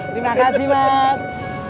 terima kasih mas